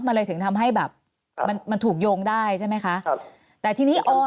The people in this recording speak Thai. มันเลยถึงทำให้แบบมันมันถูกโยงได้ใช่ไหมคะครับแต่ทีนี้ออ